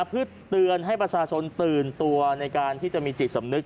เพื่อเตือนให้ประชาชนตื่นตัวในการที่จะมีจิตสำนึก